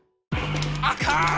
あかん！